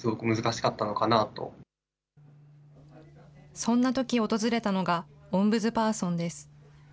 そんなとき訪れたのが、オンブズパーソンです。